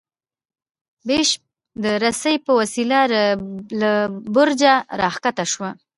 بیشپ د رسۍ په وسیله له برجه راکښته شو.